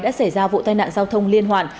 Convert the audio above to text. đã xảy ra vụ tai nạn giao thông liên hoàn